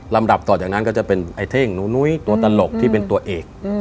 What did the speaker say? ลำดับต่อจากนั้นก็จะเป็นไอ้เท่งหนูนุ้ยตัวตลกที่เป็นตัวเอก